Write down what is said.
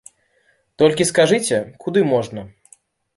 Толькі скажыце, куды можна.